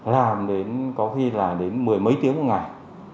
làm đến có khi là đến mười mấy tiếng một ngày